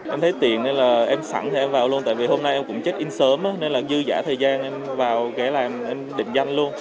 em thấy tiền nên là em sẵn thì em vào luôn tại vì hôm nay em cũng chết in sớm nên là dư giả thời gian em vào để làm em định danh luôn